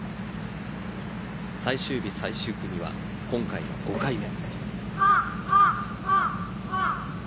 最終日、最終組は今回が５回目。